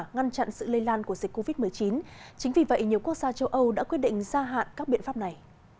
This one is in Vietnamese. ngăn chặn sự lây lan của dịch covid một mươi chín chính vì vậy nhiều quốc gia châu âu đã quyết định gia hạn các biện pháp này